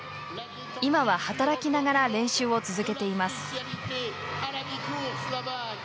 今は働きながら練習を続けています。